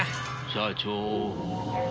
社長。